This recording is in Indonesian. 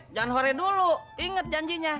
eh jangan hore dulu inget janjinya